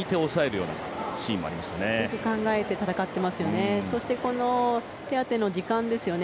良く考えて戦っていますよね。